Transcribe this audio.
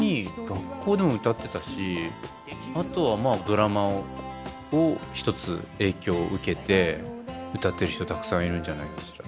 学校でも歌ってたしあとはまあドラマを一つ影響受けて歌ってる人たくさんいるんじゃないかしら。